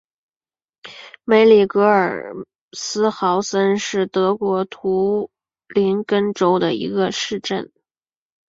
格里梅尔斯豪森是德国图林根州的一个市镇。